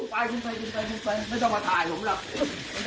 ไปไม่ต้องมาถ่ายหลุมลับ